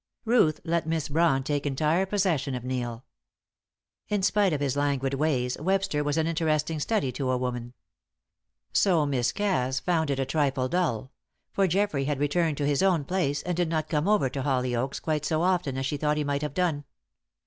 Ruth let Miss Brawn take entire possession of Neil. In spite of his languid ways, Webster was an interesting study to a woman. So Miss Cass found it a trifle dull; for Geoffrey had returned to his own place, and did not come over to Hollyoaks quite so often as she thought he might have done.